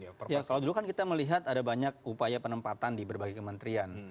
kalau dulu kan kita melihat ada banyak upaya penempatan di berbagai kementerian